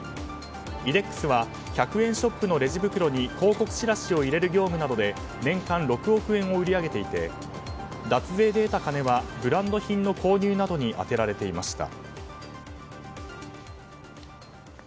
イデックスは１００円ショップのレジ袋に広告チラシを入れる業務などで年間６億円を売り上げていて脱税で得た金はブランド品購入などに充てられていました。